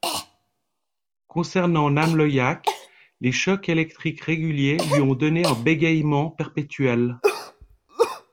Concernant Namloyak, les chocs électriques réguliers lui ont donné un bégaiement perpétuel.